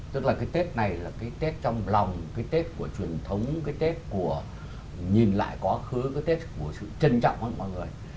tức là cái tết này là cái tết trong lòng cái tết của truyền thống cái tết của nhìn lại quá khứ cái tết của sự trân trọng hơn mọi người